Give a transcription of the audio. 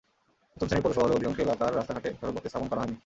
প্রথম শ্রেণির পৌরসভা হলেও অধিকাংশ এলাকার রাস্তাঘাটে সড়কবাতি স্থাপন করা হয়নি।